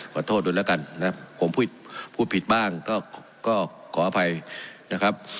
ขอโทษด้วยแล้วกันนะผมพูดผิดบ้างก็ขออภัยนะครับ